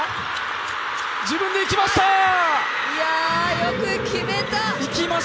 よく決めた！